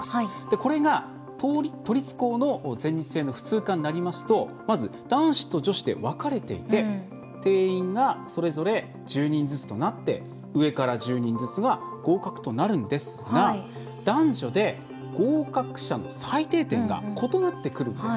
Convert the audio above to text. これが、都立高の全日制の普通科になりますとまず男子と女子で分かれていて定員がそれぞれ１０人ずつとなって上から１０人ずつが合格となるんですが男女で合格者の最低点が異なってくるんです。